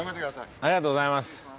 ありがとうございます。